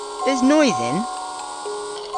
Eus noy dhyn?